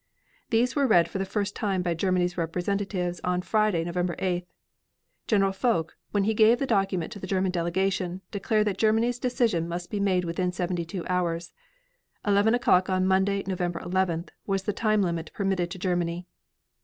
These were read for the first time by Germany's representatives on Friday, November 8th. General Foch, when he gave the document to the German delegation, declared that Germany's decision must be made within seventy two hours. Eleven o'clock on Monday, November 11th, was the time limit permitted to Germany.